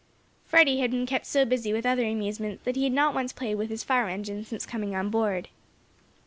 Freddie had been kept so busy with other amusements, that he had not once played with his fire engine, since coming on board.